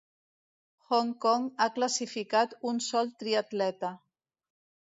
Hong Kong ha classificat un sol triatleta.